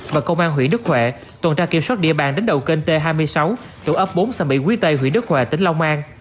và công an huyện đức huệ tuần tra kiểm soát địa bàn đến đầu kênh t hai mươi sáu tổ ấp bốn xã mỹ quý tây huyện đức hòa tỉnh long an